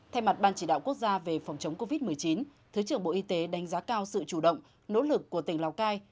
thay mặt ban chỉ đạo quốc gia về phòng chống covid một mươi chín thứ trưởng bộ y tế đánh giá cao sự chủ động nỗ lực của tỉnh lào cai